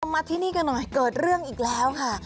มาที่นี่กันหน่อยเกิดเรื่องอีกแล้วค่ะ